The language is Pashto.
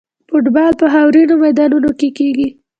فوټبال په خاورینو میدانونو کې کیږي.